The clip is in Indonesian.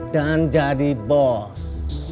dan jadi bos